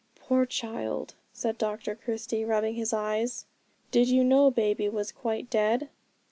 'Poor child!' said Dr Christie, rubbing his eyes, 'did you know baby was quite dead?'